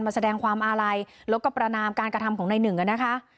แสดงความอาลัยแล้วก็ประนามการกระทำของในหนึ่งนะคะ